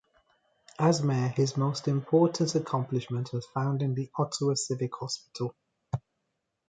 As mayor his most important accomplishment was founding the Ottawa Civic hospital.